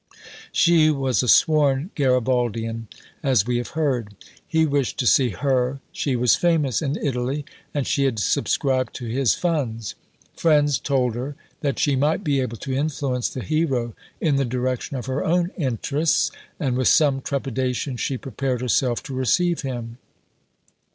She was a sworn Garibaldian, as we have heard. He wished to see her; she was famous in Italy, and she had subscribed to his funds. Friends told her that she might be able to influence the hero in the direction of her own interests, and with some trepidation she prepared herself to receive him.